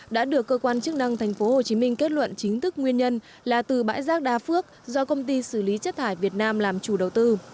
đã được cơ quan chức năng tp hcm kết luận chính thức nguyên nhân là từ bãi rác đa phước do công ty xử lý chất thải việt nam làm chủ đầu tư